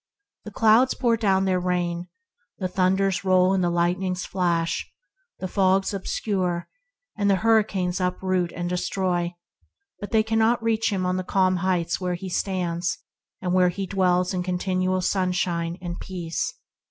The clouds pour down their rain, the thunders roll and the lightnings flash, the fogs obscure, and the hurricanes uproot and destroy, but they cannot reach him on the calm heights where he stands, there to dwell in continual sunshine and peace.